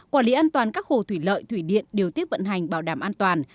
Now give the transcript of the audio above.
quản lý an toàn các hồ thủy lợi thủy điện điều tiết vận hành bảo đảm an toàn